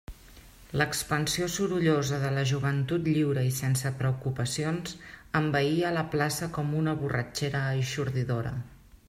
L'expansió sorollosa de la joventut lliure i sense preocupacions envaïa la plaça com una borratxera eixordadora.